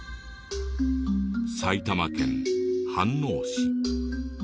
埼玉県飯能市。